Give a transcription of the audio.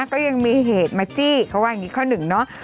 ก็ยังมีเหตุมาจี้เขาว่าอย่างนี้ข้อหนึ่งเนาะ